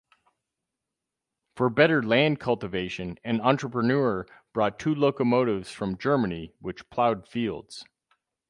For better land cultivation an entrepreneur brought two locomotives from Germany which plowed fields.